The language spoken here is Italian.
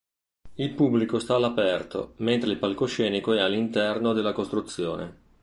Il pubblico sta all'aperto, mentre il palcoscenico è all'interno della costruzione.